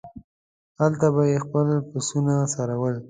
هلته به یې خپل پسونه څرول.